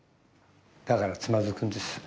だからつまずくんです